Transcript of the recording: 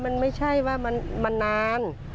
มันไม่ใช่ว่ามันนาน